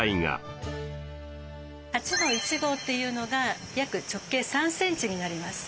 鉢の１号というのが約直径３ｃｍになります。